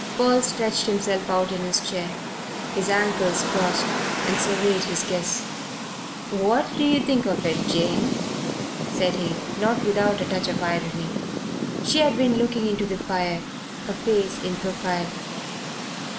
Paul stretched himself out in his chair, his ankles crossed, and surveyed his guests. "What do you think of it, Jane?" said he, not without a touch of irony. She had been looking into the fire, her face in profile.